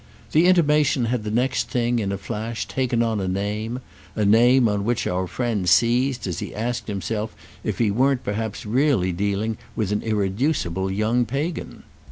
The intimation had the next thing, in a flash, taken on a name—a name on which our friend seized as he asked himself if he weren't perhaps really dealing with an irreducible young Pagan.